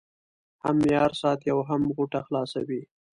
هم معیار ساتي او هم غوټه خلاصوي.